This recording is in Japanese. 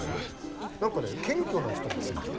何かね謙虚な人なんですよ。